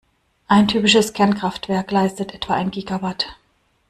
Ein typisches Kernkraftwerk leistet etwa ein Gigawatt.